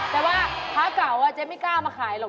แต่ว่าค้าเก่าเจ๊ไม่กล้ามาขายหรอก